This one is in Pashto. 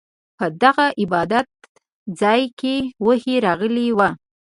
په دغه عبادت ځاې کې وحې راغلې وه.